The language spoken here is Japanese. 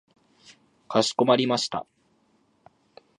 かしこまりました。